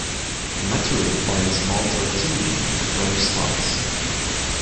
Maturin finds Malta teeming with French spies.